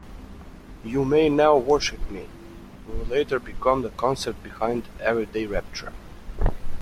"You May Now Worship Me" would later become the concept behind "Everyday Rapture".